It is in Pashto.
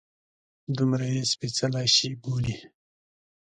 دومره یې سپیڅلی شي بولي.